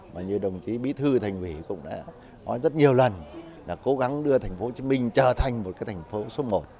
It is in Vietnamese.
mà như đồng chí bí thư thành hủy cũng đã nói rất nhiều lần là cố gắng đưa tp hcm trở thành một cái thành phố số một